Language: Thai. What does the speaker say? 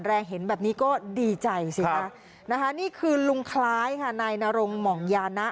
อ่อนแรงเห็นแบบนี้ก็ดีใจสิคะนี่คือรุงคล้ายค่ะในนรงค์หมองยานะ